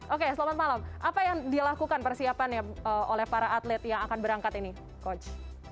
oke selamat malam apa yang dilakukan persiapannya oleh para atlet yang akan berangkat ini coach